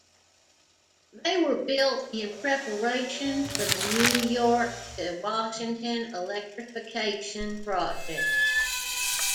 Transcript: They were built in preparation for the New York to Washington Electrification project.